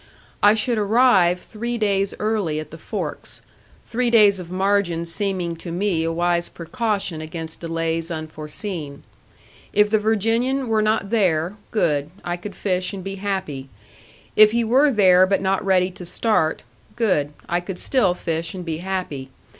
I should arrive three days early at the forks three days of margin seeming to me a wise precaution against delays unforeseen. If the Virginian were not there, good; I could fish and be happy. If he were there but not ready to start, good; I could still fish and be happy.